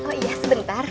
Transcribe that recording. oh iya sebentar